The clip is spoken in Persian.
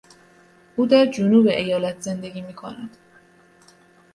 او در جنوب ایالت زندگی میکند.